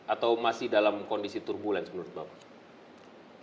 atau masih dalam kondisi turbulence menurut bapak